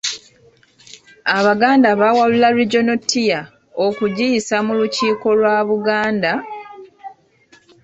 Abaganda baawalula Regional Tier okugiyisa mu Lukiiko lwa Buganda,